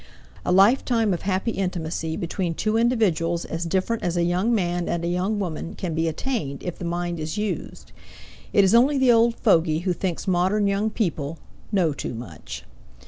A lifetime of happy intimacy between two individuals as different as a young man and a young women can be attained if the mind is used. It is only the old fogy who thinks modern young people "know too much."